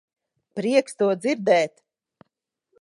Prieks to dzirdēt.